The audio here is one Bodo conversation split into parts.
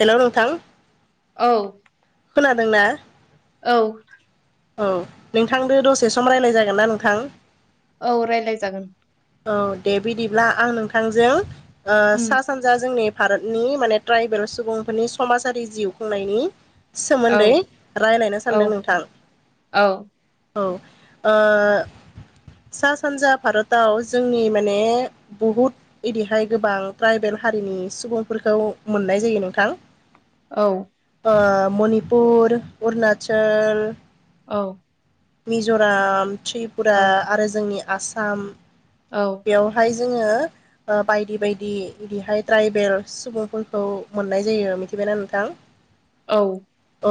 हेलौ नोंथां औ खोनादों ना? औ औ नोंथांदो दसे सम राय्लनाय जागोन ना नोंथां? औ रायज्लाय जागोन। औ दे बिदिब्ला आं नोंथांजों ओ उम सा सानजा जोंनि भारतनि माने ट्राइबेल सुबुंफोरनि समाजारि जिउ खुंनायनि औ सोमोन्दै रायलायनो सानदों औ नोंथां। औ औ ओ सा सानजा भारताव जोंनि माने बहुत इदिहाय गोबां ट्राइबेल हारिनि सुबुंफोरखौ मोननाय जायो नोंथां। औ। ओ मणिपुर, अरुनाचल औ। मिज'राम, त्रिपुरा औ आरो जोंनि आसाम औ। बेयावहाय जोङो बायदि बायदि बिदिहाय ट्राइबेल सुबुंफोरखौ मोननाय जायो मिथिबायना नोंथां। औ। औ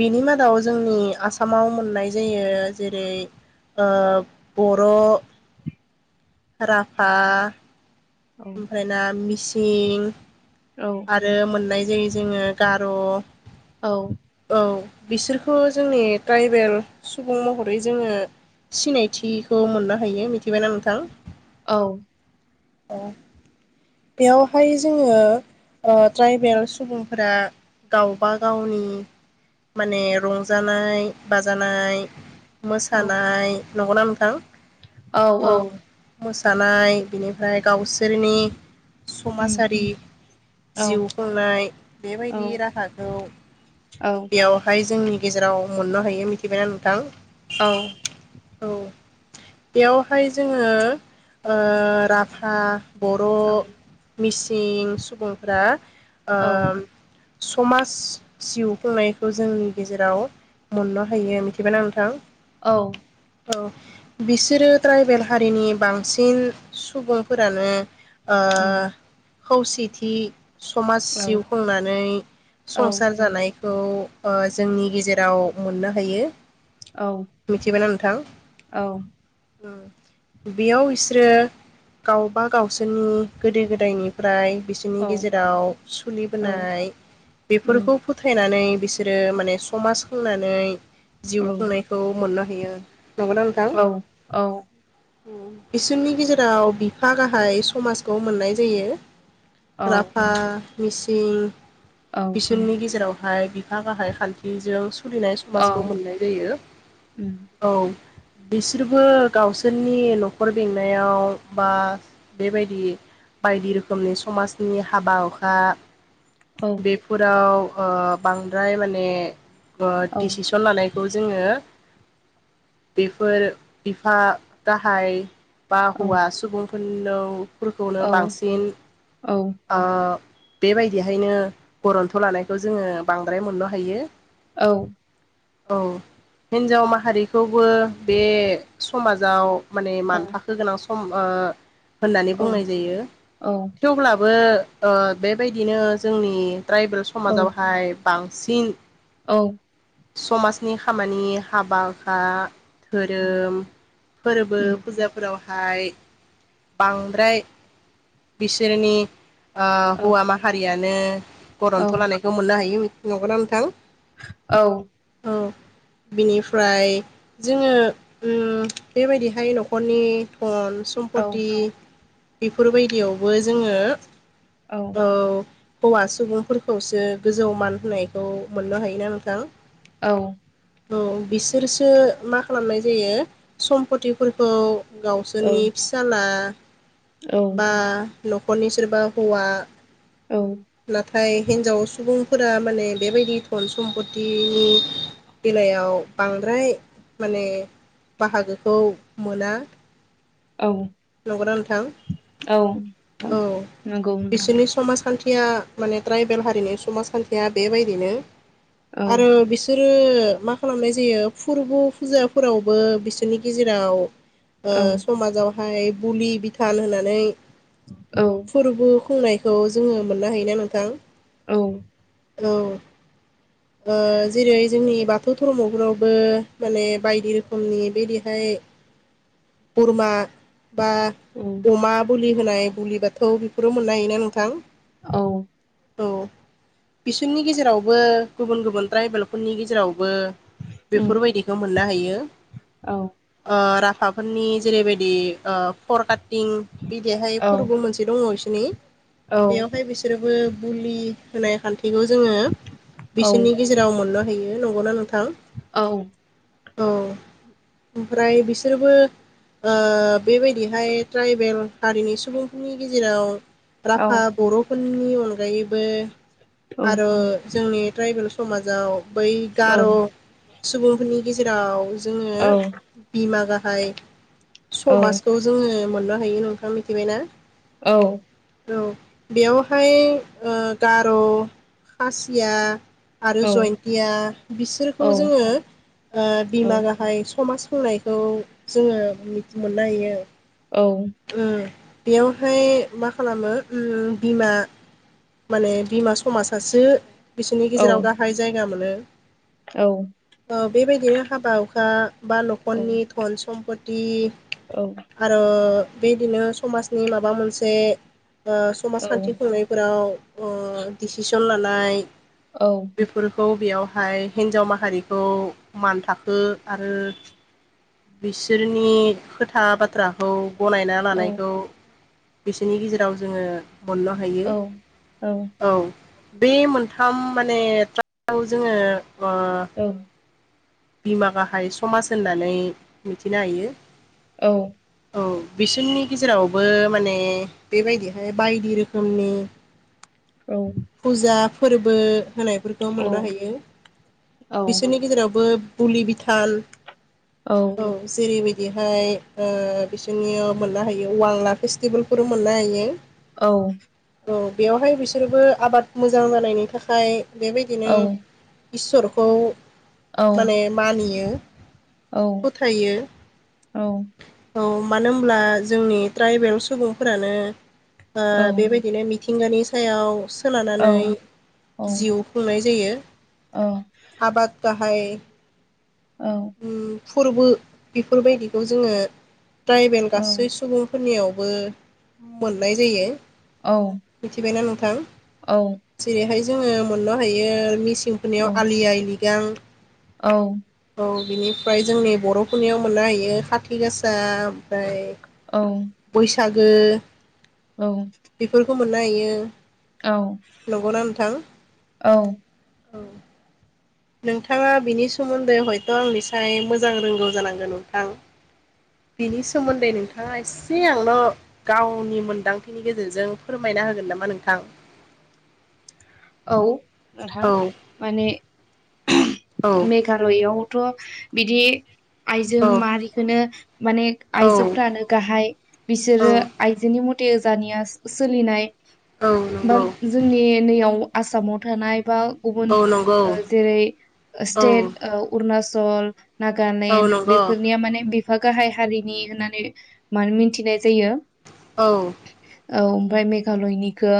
बेनि मादाव जोंनि आसामाव मोन्नाय जायो जेरै ओ बर' राभा ओमफ्राय ना मिसिं औ। आरो मोननाय जायो जोङो गार' औ। औ बिसोरखौ जोंनि ट्राइबेल सुबुं महरै जोङो सिनायथिखौ मोननो हायो मिथिबायना नोंथां। औ। औ। बेयावहाय जोङो ट्राइबेल सुबुंफोरा गावबा गावनि माने रंजानाय बाजानाय मोसानाय नंगौना नोंथां? औ। मोसानाय बेनिफ्राइ गावसोरनि उम समाजारि औ जिउ खुंनाय औ बेबायदि राहाखौ औ। फ्राय जोंनि गेजेराव मोननो हायो मिथिबायना नोंथां? औ। औ बेयावहाय जोङो ओ राभा बर', मिसिं, सुबुंफोरा ओ औ समाज जिउ खुंनायखौ जोंनि गेजेराव मोननो होयो मिथिबाय ना नोंथां? औ। औ। बिसोरो ट्राइबेल हारिनि बांसिन सुबुंफोरानो ओ उम खौसेथि समाज औ उम औ जिउ खुंनानै औ संसार जानाय खौ जोंनि गेजेराव मोननो हायो। मिथिबायना नोंथां? बेयाव बिसोरो गावबा गावसोरनि गोदो गोदायनि फ्राय बिसोरनि गेजेराव सोलिबोनाय बेफोरखौ फोथायनानै बिसोरो माने समाज खुंनानै जिउ खुंनायखौ मोननो हायो। नंगौना नोंथां? बिसोरनि गेजेराव बिफा गाहाय समाजखौ मोननाय जायो। राभा, मिसिं औ। बिसोरनि गेजेरावहाय बिफा गाहाय खान्थिजों सोलिनाय समाजखौ मोननाय जायो औ। बिसोरबो गावसोरनि न'खर बेंनायाव बा बेबायदि बायदि रोखोमनि समाजनि हाबा हुखा बे फोराव ओ बांद्राय माने ओ दिसिसन लानाय खौ जोङो बेफोर बिफा गाहाय बा हौवा सुबुंफोरखौनो बांसिन ओ बेबायदिहायनो गरन्थ' लानायखौ जोङो बांद्राय मोननो हायो। औ औ हिन्जाव माहारिखौबो बे समाजाव माने मानथाखो गोनां सम ओ होननानै औ बुंनाय जायो। औ औ थेवब्लाबो ओ बेबायदिनो जोंनि ट्राइबेल औ समाजावहाय बांसिन औ समाजनि खामानि हाबा हुखा, उम धोरोम फोरबो फुजाफोरावहाय बांद्राय बिसोरनि ओ औ हौवा माहारियानो औ गरन्थ' लानाय खौ मोननो हायो नोंगौ ना नोंथां? औ औ बिनिफ्राय जोङो ओम बेबायदिहाय न'खरनि धन औ सम्पति इफोर बायदियावबो जोङो औ औ हौवा सुबुंफोरखौसो गोजौ मान होनायखौ मोननो हायोना नोंथां? औ औ बिसोरसो मा खालामनाय जायो सम्पथिफोरखौ गावसोरनि फिसाला बा न'खरनि सोरबा हौवा औ नाथाय हिनजाव सुबुंफोरा माने बेबायदि धन सम्पति बेलायाव बांद्राय माने बाहागोखौ मोना। औ। नंगौना नोंथां नोंथां औ नंगौ नोंथां बिसोरनि समाजखान्थि मा माने ट्रायबेल हारिनि समाजखान्थिया बेबायदिनो आरो बि सोरो मा खालामनाय जायो फुरबु फुजाफोरावबो बिसोरनि गेजेराव ओ औ समाजावहाय बुलि बिथान होनानै औ। फुरबु खुंनायखौ जोङो मोननो हायोना नोंथां। औ। औ। ओ जेरै जोंनि बाथौ धर्मफोरावबो माने बायदि रोखोमनि बेदिहाय बुरमा बा उम अमा बोलि होनाय बुलि बाथौ बेफोरो मोननो हायोना नोंथां। औ औ बिसोरनि गेजेरावबो गुबुन गुबुन ट्राइबेलफोरनि गेजेरावबो उम बेफोरबायदिखौ मोननो हायो। औ ओ राभाफोरनि जेरैबायदि ओ फर काटिं बिदिहाय औ फोरबो मोनसे दङ इसिनि औ बेयावहाय बि फोरबो बुलि होनाय खान्थिखौ जोङो औ बिसोरनि गेजेराव मोननो हयो, नंगौना नोंथां? औ औ ओमफ्राय बिसोरबो ओ बेबायदिहाय ट्राइबेल हारिनि सुबुंफोरनि गेजेराव औ राभा, बर' बुंनि अनायैबो औ आर' जोंनि थ्रायबोल सु समाजाव बै गार' सुबुंफोरनि गेजेराव जोङो बिमा गाहाय समाजखौ जोङो मोननो हायो नोंथांङा मिथिबायना। औ। औ बेयावहाय ओ गार' खासिया आरो जयन्तिया बिसोरखौ जोङो ओ बिमा गाहाय समाज होनाय खौ जोंङो मि मोननो हायो। औ। उम बेयावहाय मा खालामो उम बिमा माने बिमा समाजसासो बिसोरनि गेजेराव गाहाय जायगा मोनो। औ। ओ बेबायदिनो हाबा हुखा बा न'खरनि धन सम्पति औ। आरो बेदिनो समाजनि माबा मोनसे ओ समास खानथि खुंनायफोराव ओ दिसिसन लानाय औ। बेफोरखौ बेयावहाय हिन्जाव माहारिखौ मान थाखो आरो बिसोरनि खोथा बाथ बाथ्राखौ गनायना लानायखौ बिसोरनि गेजेराव जोङो मोननो हायो। औ बे मोनथाम माने ट्राकआव जोङो ओ औ बिमा गाहाय समाज होननानै मिथिनो हायो। औ। औ बिसोरनि गेजेरावबो माने बेबायदिहाय बायदि रोखोमनि [unintelligible] औ। फुजा फोरबो होनायफोरखौ मोननो हायो बिसोरनि गेजेरावबो बुलि बिथान औ जेरैबायदिहाय ओ बिसोरनियाव मोननो हायो वांला फेस्टिभेलफोरबो मोननो हायो। औ। औ बेवहाय बिसोरबो आबाद मोजां जानायनि थाखाय बेबायदिनो इसोरखौ माने मानियो। औ फोथायो औ। औ मानो होनब्ला जोंनि ट्राइबेल सुबुंफोरानो ओ बेबायदिनो मिथिंगानि सायाव खोनानानै जिउ खुंनाय जायो आबाद गाहाय औ। उम फोरबो बेफोरबायदिखौ जोङो ट्राइबेल गासै सुबुं खुनियावबो मोननाय जायो। औ। मिथिबायना नोंथां? औ। जेरैहाय जोङो मोननो हायो मिसिंफोरनियाव आलि आइ लिगां। औ। औ बिनिफ्राय जोंनि बर'फोरनियाव मोननो हायो खाथि गासा ओमफ्राय औ। बैसागो औ। बेफोरखौ मोननो हायो। औ नंगौना नोंथां औ। औ। नोंथाङा बिनि सोमोन्दै हयथ' आंनिसाय मोजां रोंगौ जानांगौ नोंथां। बिनि सोमोन्दै नोंथाङा एसे आंनो' गावनि मोनदांथिनि गेजेरजों फोरमायना होगोन नामा नोंथां? औ नोंथां औ माने औ मेघालयावथ बिदि आयजो औ माहारिखौनो माने औ आयजोफ्रानो गाहाय औ बिसोरो आइजोनि मथे जानिया सोलिनाय औ बा नंगौ जोंनि नैयाव आसामाव थानाय बा गुबुन औ नंगौ जेरै औ स्टेट ओ उरनाचल औ नागालेण्ड नंगौ बेफोरनिया माने बे गाहाय हारिनि होननानै मानो मिथिनाय जायो? औ। औ ओमफ्राय मेघालयनिखौ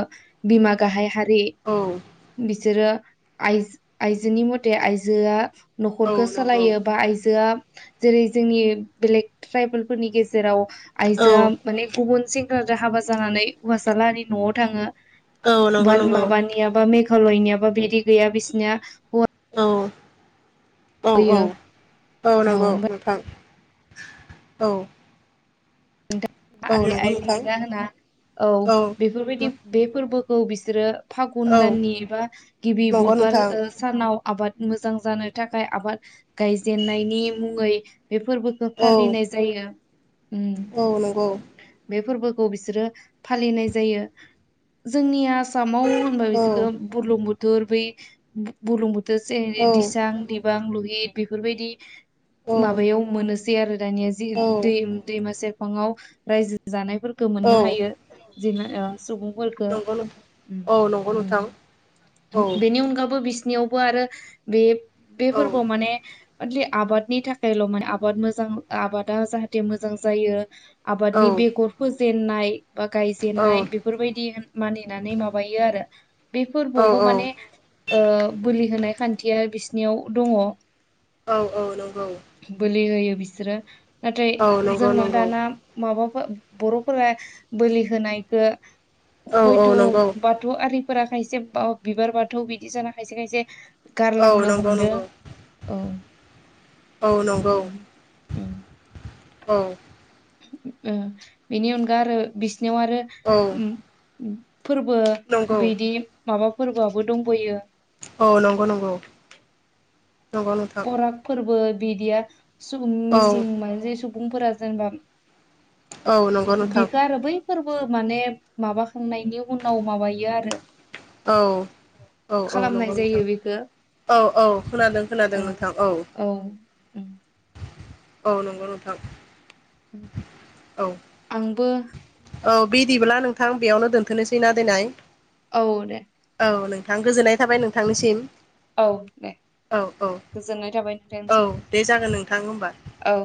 बिमा गाहाय हारि औ। बिसोरो आय आयजोनि मथे आइजोआ औ न'खरखौ नंगौ सालायो बा आइजोआ जेरै जोंनि बेलेग ट्राइबेलफोरनि गेजेराव औ आइजोआ माने गुबुन सेंग्राजों हाबा जानानै हौवासा लाहानि न'आव थाङो औ नंगौ बा नंगौ माबानि मेघालयनियाबा बिदि गैया बिसिनिया औ औ औ होयो औ नंगौ औ औ नोंथां आलि नंगौ आइ नोंथां लिगां होना औ बेफोरबायदि बे फोरबोखौ बिसोरो फागुन औ दाननि एबा गिबि नंगौ बुधबार नोंथां सानाव आबाद मोजां जानो थाखाय आबाद गायजेननायनि मुङै बे फोरबोखौ औ फालिनाय जायो उम औ नंगौ बे फोरबोखौ बिसोरो फालिनाय जायो जोंनिया आसामाव होनबा औ बिसोर बुर्लुंबुथुर बै बुर्लुंबुथुर जेरै दिसां दिप दिबां लिहत बेफोरबायदि माबायाव मोननोसै आरो दानिया औ दै दैमा सेरफाङआव रायजो जानायफोर औ मोननो हायो जि नंगौ नोंथां औ नंगौ नोंथां [unintelligible] औ बेनि अनगाबबो बिसिनियावबो आरो बे बे औ फोरबोआव माने अनलि आबादनि थाखायल' माने आबाद मोजां आबादा जाहाथे मोजां जायो औ आबादनि बेगर फोजेननाय बा औ गायजेननाय बे बेफोरबायदि मानिनानै माबायो आरो बे औ फोरबोआवबो माने बोलि होनाय खान्थिया बिसिनियाव दङ औ औ नंगौ बोलि होयो बिसोरो नाथाय औ नंगौ जोंना नंगौ माबा बर'फोरा बोलि होनायखौ औ औ हयथ' नंगौ बाथ बाथौ आरिफोरा खायसे बाव बिबार बाथौ बिदि जागोन खायसे खायसे औ गारलांनो नंगौ हमदो नंगौ औ औ नंगौ औ ओ बेनि अनगा आरो बिसिनियाव आरो औ ओम फोरबो नंगौ बिदि माबा फोरबोआबो दंबोयो औ नंगौ नंगौ नंगौ नोंथां [unintelligible] फोरबो बिदिया सुबुं औ मिसिं मानो जायो सुबुंफोरा जेनेबा औ नंगौ [inaudible] नोंथां बिखो आरो बै फोरबो माने माबाखांनायनि उनाव माबायो आरो औ औ औ खालामनाय नंगौ नोंथां जायो बेखौ औ औ खोनादों खोनादों ओ नोंथां औ उम। औ नंगौ नोंथां औ आंबो औ बिदिब्ला नोंथां बेयावनो दोनथ'नोसैना दिनहाय ओ दे औ नोंथां गोजोननाय थाबाय नोंथांनिसिम औ दे औ औ गोजोननाय थाबाय औ नोंथांनिसिम दे जागोन नोंथां होमबा औ